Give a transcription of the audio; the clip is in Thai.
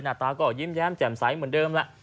หน้าตาก็ยิ้มแย้มแจ่มใสเหมือนเดิมแล้ว